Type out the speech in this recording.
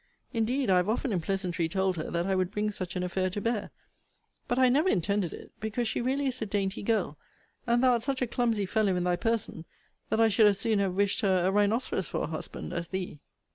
Indeed I have often in pleasantry told her that I would bring such an affair to bear. But I never intended it; because she really is a dainty girl; and thou art such a clumsy fellow in thy person, that I should as soon have wished her a rhinoceros for a husband as thee.